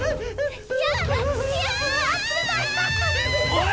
おい！